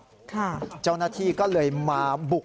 ร้านของรัก